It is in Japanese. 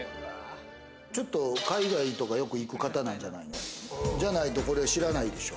ちょっと海外とかよく行く方なんじゃないの？じゃないとこれ知らないでしょ。